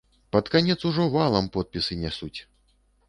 Пад канец ужо валам подпісы нясуць!